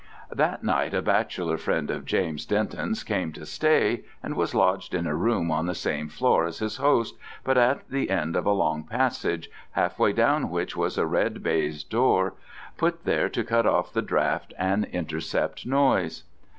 That night a bachelor friend of James Denton's came to stay, and was lodged in a room on the same floor as his host, but at the end of a long passage, halfway down which was a red baize door, put there to cut off the draught and intercept noise.